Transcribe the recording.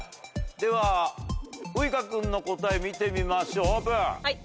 ではウイカ君の答え見てみましょうオープン。